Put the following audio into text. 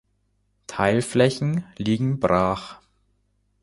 Teilflächen liegen brach.